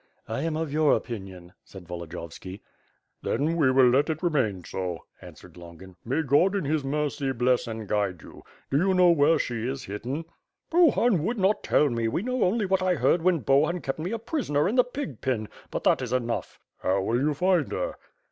"I am of your opinion," said Volodiyovski. "Then we will let it remain so," answered Longin. May God in His mercy bless and guide you. Do you know where she is hidden?" "Bohun would not tell me, we know only what I heard when Bohun kept me a prisoner in the pig pen; but that is enough." "How will you find her?"